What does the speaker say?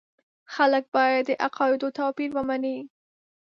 خلک باید د عقایدو توپیر ومني.